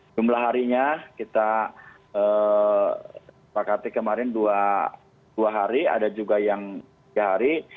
jumlah harinya kita sepakati kemarin dua hari ada juga yang tiga hari